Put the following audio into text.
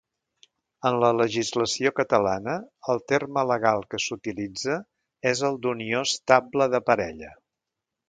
En la legislació catalana, el terme legal que s'utilitza és el d'unió estable de parella.